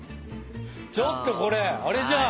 ちょっとこれあれじゃん！